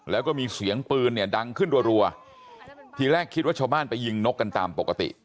แล้วก็มีเสียงปืนเนี่ยดังขึ้นรัวทีแรกคิดว่าชาวบ้านไปยิงนกกันตามปกติ